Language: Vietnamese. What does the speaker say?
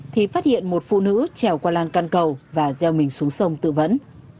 thì phát hiện một phụ nữ trèo qua lan căn cầu và gieo mình xuống sông tự vẫn